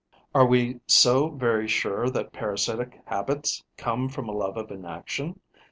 Are we so very sure that parasitic habits come from a love of inaction?